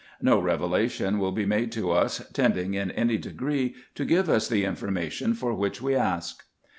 No revelation will be made to us tending in any degree to give us the information for which we ask.